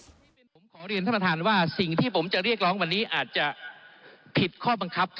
ขอให้เป็นตัวอย่างสุดท้ายและอย่าให้มีอีกนะครับ